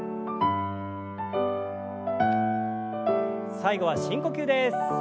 最後は深呼吸です。